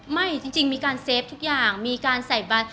ไม่จริงมีการเซฟทุกอย่างมีการใส่บาน